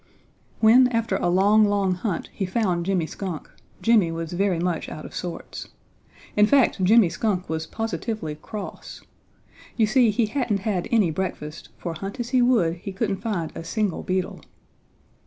When after a long, long hunt he found Jimmy Skunk, Jimmy was very much out of sorts. In fact Jimmy Skunk was positively cross. You see, he hadn't had any breakfast, for hunt as he would he couldn't find a single beetle.